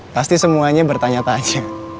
pasti semuanya bertanya tanya